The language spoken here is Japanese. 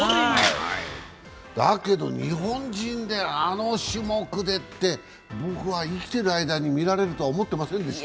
だけど日本人であの種目でって、僕は生きてる間に見られると思っていませんでした。